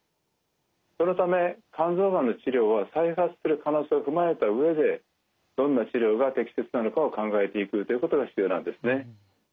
そのため肝臓がんの治療は再発する可能性を踏まえた上でどんな治療が適切なのかを考えていくということが必要なんですね。